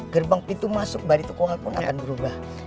gerbang pintu masuk bari tukuhal pun akan berubah